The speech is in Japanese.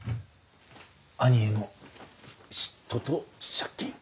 兄への嫉妬と借金。